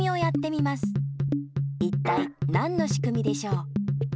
いったいなんのしくみでしょう？